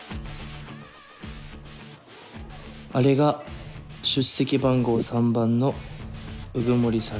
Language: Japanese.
あれが出席番号３番の鵜久森さん。